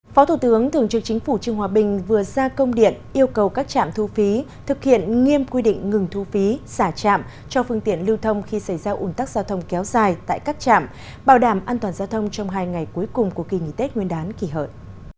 phó thủ tướng thường trực chính phủ trương hòa bình vừa ra công điện yêu cầu các trạm thu phí thực hiện nghiêm quy định ngừng thu phí xả trạm cho phương tiện lưu thông khi xảy ra ủn tắc giao thông kéo dài tại các trạm bảo đảm an toàn giao thông trong hai ngày cuối cùng của kỳ nghỉ tết nguyên đán kỳ hợi